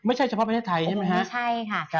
ไม่ใช่เฉพาะประเทศไทยใช่มั้ยคะ